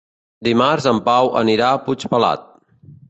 Dimarts en Pau anirà a Puigpelat.